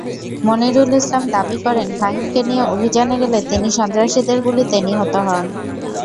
মনিরুল ইসলাম দাবি করেন, ফাহিমকে নিয়ে অভিযানে গেলে তিনি সন্ত্রাসীদের গুলিতে নিহত হন।